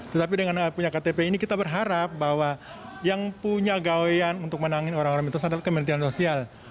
tetapi dengan punya ktp ini kita berharap bahwa yang punya gawean untuk menangin orang orang lintasan adalah kementerian sosial